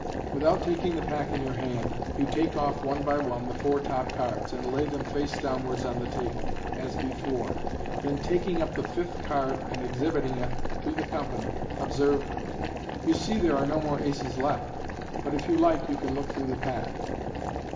Without taking the pack in your hand, you take off, one by one, the four top cards, and lay them face downwards on the table, as before \ then taking up the fifth card and exhibiting it to the com* MODERN MAGIC pany, observe, " You see there are no more aces left, but if you like you can look through the pack."